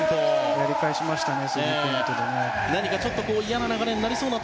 やり返しましたね